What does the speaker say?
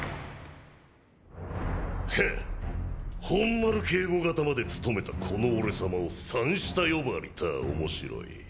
フッ本丸警護方まで務めたこの俺さまを三下呼ばわりたぁ面白い。